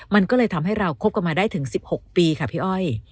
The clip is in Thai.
มันก็เลยทำให้เราคบกันมาได้ถึง๑๖ปีค่ะพี่อ้อย